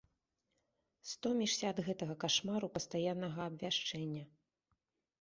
Стомішся ад гэтага кашмару пастаяннага абвяшчэння.